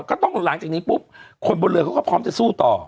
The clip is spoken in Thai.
ก็ต้องหลังจากนี้ปุ๊บคนบนเรือเขาก็พร้อมจะสู้ต่อ